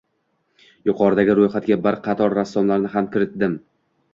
Yuqoridagi roʻyxatga bir qator rassomlarni ham kiritdim